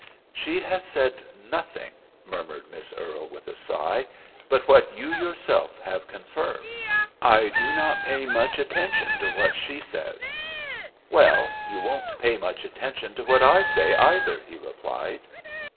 "She has said nothing," murmured Miss Earle, with a sigh, "but what you yourself have confirmed. I do not pay much attention to what she says." "Well, you don't pay much attention to what I say either," he replied.